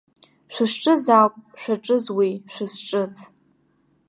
Шәызҿыз ауп, шәаҿыз уи, шәызҿыц.